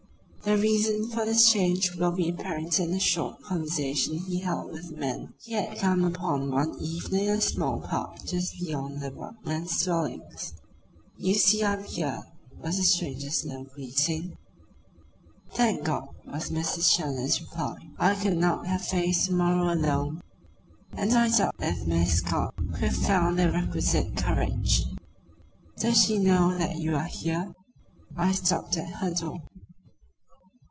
The reason for this change will be apparent in the short conversation he held with a man he had come upon one evening in the small park just beyond the workmen's dwellings. "You see I am here," was the stranger's low greeting. "Thank God," was Mr. Challoner's reply. "I could not have faced to morrow alone and I doubt if Miss Scott could have found the requisite courage. Does she know that you are here?" "I stopped at her door."